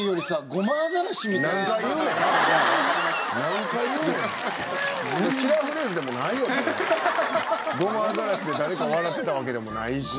ゴマフアザラシで誰か笑ってたわけでもないし。